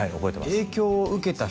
「影響を受けた人」